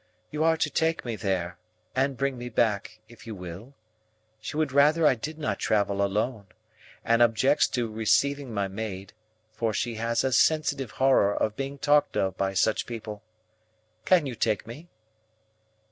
You are to take me there, and bring me back, if you will. She would rather I did not travel alone, and objects to receiving my maid, for she has a sensitive horror of being talked of by such people. Can you take me?"